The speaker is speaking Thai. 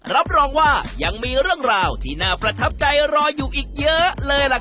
รับรองว่ายังมีเรื่องราวที่น่าประทับใจรออยู่อีกเยอะเลยล่ะครับ